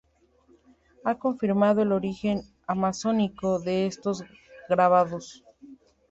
Ha confirmado el origen amazónico de estos grabados.